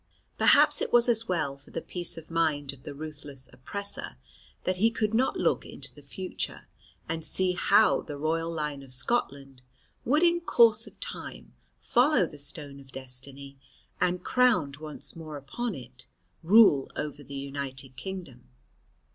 Perhaps it was as well for the peace of mind of the ruthless oppressor that he could not look into the future, and see how the royal line of Scotland would in course of time follow the Stone of Destiny, and, crowned once more upon it, rule over the United Kingdom.